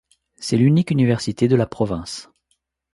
C’est l'unique université de la province.